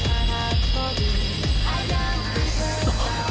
あっ。